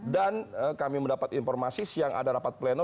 dan kami mendapat informasi siang ada rapat pleno